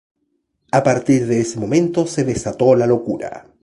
A partir de ese momento se desató la locura.